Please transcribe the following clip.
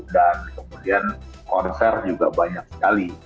dan kemudian konser juga banyak sekali